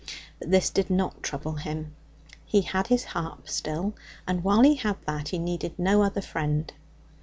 But this did not trouble him. He had his harp still, and while he had that he needed no other friend.